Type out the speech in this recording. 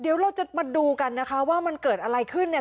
เดี๋ยวเราจะมาดูว่ามันเกิดอะไรขึ้นในกะลิด